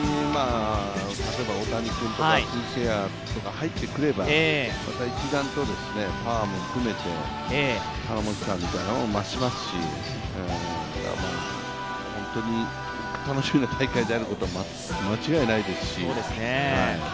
大谷君とか鈴木誠也とか入ってくれば、一段とパワーも含めて頼もしさっていうのも増しますし、本当に楽しみな大会になることは間違いないですし。